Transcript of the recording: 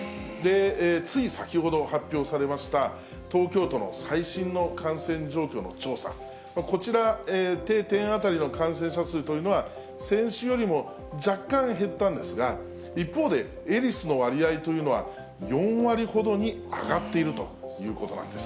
つい先ほど発表されました、東京都の最新の感染状況の調査、こちら、定点当たりの感染者数というのは、先週よりも若干減ったんですが、一方で、エリスの割合というのは、４割ほどに上がっているということなんです。